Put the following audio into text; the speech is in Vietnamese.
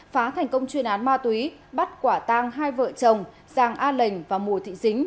phá thành công chuyên án ma túy bắt quả tang hai vợ chồng giàng a lệnh và mùa thị dính